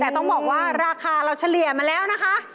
แต่ต้องบอกว่าราคาเราเฉลี่ยมาแล้วนะคะ